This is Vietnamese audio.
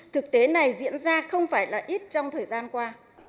thực tế này diễn ra không phải là ít trong thời gian qua